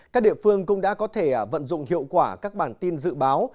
các địa phương cũng đã có thể vận dụng hiệu quả các bản tin dự báo